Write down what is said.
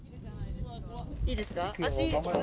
いいですか？